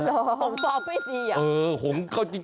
หงษ์ต่อไปจริงหงษ์